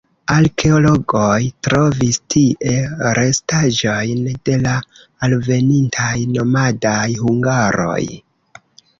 Arkeologoj trovis tie restaĵojn de la alvenintaj nomadaj hungaroj.